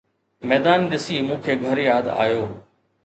ميدان ڏسي مون کي گهر ياد آيو